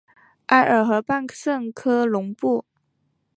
埃尔河畔圣科隆布。